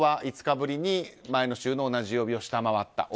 東京は５日ぶりに前の週の同じ曜日を下回った。